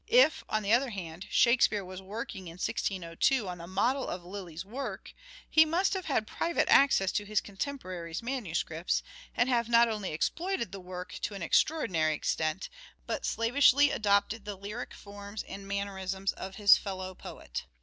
If, on the other hand, " Shakespeare " was working in 1602 on the model of Lyly's work, he must have had private access to his contemporary's manuscripts, and have not only exploited the work to an extraordinary extent, but slavishly adopted the lyric forms and mannerisms of his fellow poet.